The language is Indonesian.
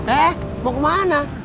eh mau ke mana